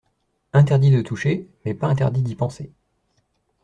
Interdit de toucher mais pas interdit d’y penser.